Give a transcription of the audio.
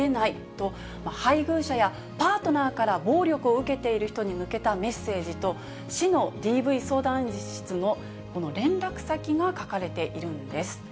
と、配偶者やパートナーから暴力を受けている人に向けたメッセージと、市のＤＶ相談室の連絡先が書かれているんです。